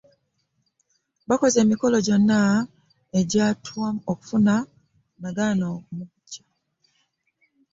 Baakoze emikolo gyonna egiyitwamu okufuna Nagaya omuggya